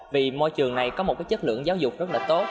vì môi trường này có một cái chất lượng giáo dục rất là tốt